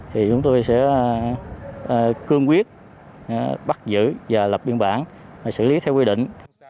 thì chúng tôi sẽ cương quyết bắt giữ và lập biên bản xử lý theo quy định